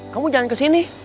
kamu jangan kesini